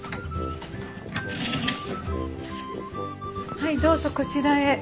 はいどうぞこちらへ。